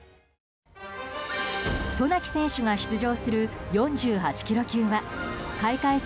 渡名喜選手が出場する４８ｋｇ級は開会式